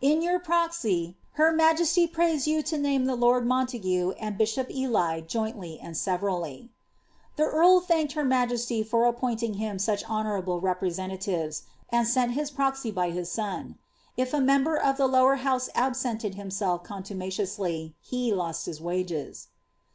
In your proxy, her majesty prays you to name the lord Montague and bishop of Ely, jointly and severally.'^ The earl thanked her majesty for appointing him such honourable representatives, and sent his proxy by his son. If a member of the lower house absented himself coatu maciously, he lost his wages.